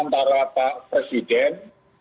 antara pak presiden